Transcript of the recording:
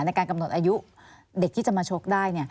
ในการกำหนดอายุเด็กที่จะมาชกได้